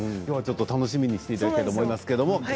今日はちょっと楽しみにしていただきたいと思いますけども。